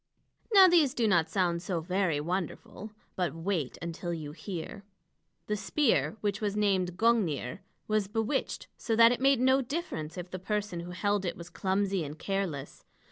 Now these do not sound so very wonderful. But wait until you hear! The spear, which was named Gungnir, was bewitched, so that it made no difference if the person who held it was clumsy and careless.